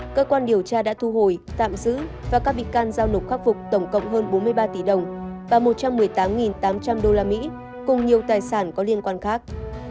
cơ quan điều tra đã thu hồi tạm giữ và các bị can giao nộp khắc phục tổng cộng hơn bốn mươi ba tỷ đồng và một trăm một mươi tám tám trăm linh usd cùng nhiều tài sản có liên quan khác